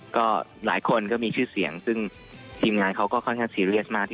ก็หลายคนก็มีชื่อเสียงซึ่งทีมงานเขาก็ค่อนข้างซีเรียสมาก